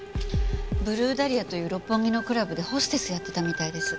ブルーダリアという六本木のクラブでホステスやってたみたいです。